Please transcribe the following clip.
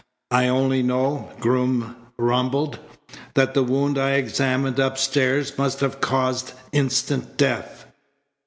"I only know," Groom rumbled, "that the wound I examined upstairs must have caused instant death."